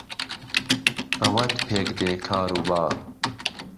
به وەت پێکدێ کار و بار